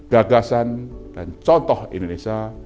gagasan dan contoh indonesia